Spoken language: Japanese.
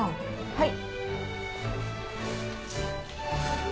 はい。